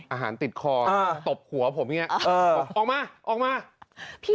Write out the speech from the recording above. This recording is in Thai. อาหารติดคอตบหัวผมอย่างนี้